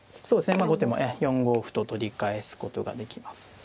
そうですねまあ後手も４五歩と取り返すことができます。